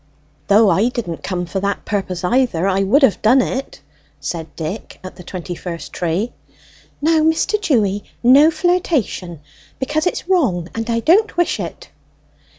"Though I didn't come for that purpose either, I would have done it," said Dick at the twenty first tree. "Now, Mr. Dewy, no flirtation, because it's wrong, and I don't wish it."